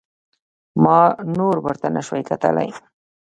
ما نور ورته نسو کتلاى.